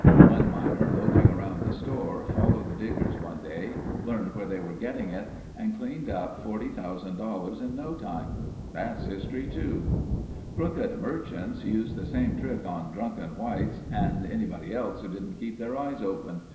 One miner loafing around the store, followed the Diggers one day, learned where they were getting it and cleaned up $40,000 in no time. That's history too. "Crooked merchants used the same trick on drunken whites and anybody else who didn't keep their eyes open.